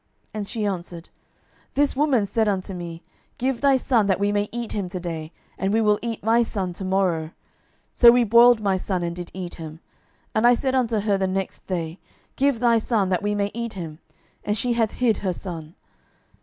And she answered, This woman said unto me, Give thy son, that we may eat him to day, and we will eat my son to morrow. 12:006:029 So we boiled my son, and did eat him: and I said unto her on the next day, Give thy son, that we may eat him: and she hath hid her son.